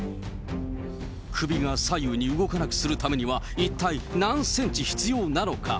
首が左右に動かなくするためには一体何センチ必要なのか。